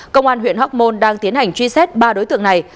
công an huyện hóc môn đang tiến hành truy xét ba đối tượng này